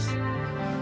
aku masih siap